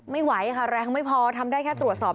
ไม่ไหวค่ะแรงไม่พอทำได้แค่ตรวจสอบ